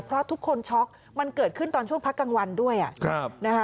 เพราะทุกคนช็อกมันเกิดขึ้นตอนช่วงพักกลางวันด้วย